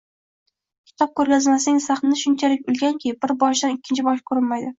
Kitob koʻrgazmasining sahni shunchalik ulkanki, bir boshidan ikkinchi boshi koʻrinmaydi